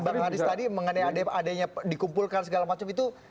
bang haris tadi mengenai adanya dikumpulkan segala macam itu